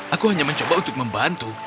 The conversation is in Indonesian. aku hanya mencoba untuk membantu